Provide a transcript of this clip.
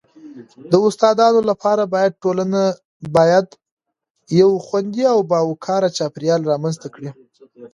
د استادانو لپاره باید ټولنه باید یو خوندي او باوقاره چاپیریال رامنځته کړي..